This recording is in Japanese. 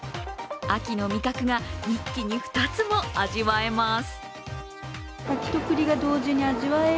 秋の味覚が一気に２つも味わえます